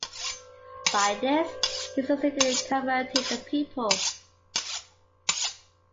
By this he succeeded in converting the people.